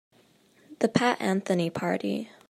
The Pat Anthony Party.